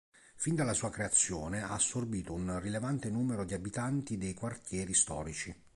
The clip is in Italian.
Fin dalla sua creazione ha assorbito un rilevante numero di abitanti dei quartieri storici.